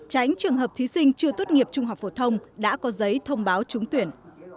tránh trường hợp thí sinh chưa tốt nghiệp trung học phổ thông đã có giấy thông báo trúng tuyển